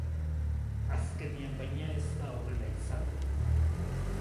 Azkenean, baina, ez da horrela izan.